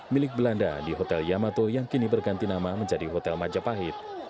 milik belanda di hotel yamato yang kini berganti nama menjadi hotel majapahit